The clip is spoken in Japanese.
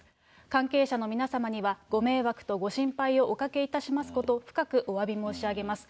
関係者の皆様にはご迷惑とご心配をおかけいたしますことを、深くおわび申し上げます。